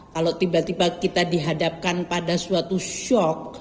kalau tiba tiba kita dihadapkan pada suatu shock